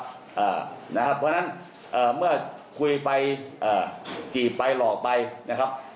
เพราะฉะนั้นเมื่อคุยไปจีบไปหลอกไปนะครับ